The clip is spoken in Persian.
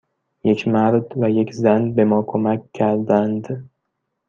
یک مرد و یک زن به ما کمک کردند.